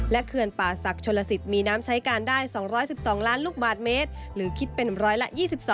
เขื่อนป่าศักดิ์ชนลสิทธิ์มีน้ำใช้การได้๒๑๒ล้านลูกบาทเมตรหรือคิดเป็นร้อยละ๒๒